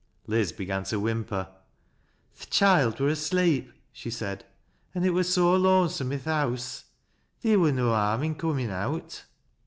Liz began to whimper. " Th' choild wur asleep," she said, " an' it wur so lone some i' th' house. Theer wur no harm i' comin' out."